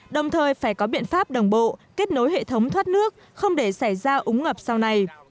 đồng thời phải có biện pháp đồng bộ kết nối hệ thống thoát nước không để xảy ra úng ngập sau này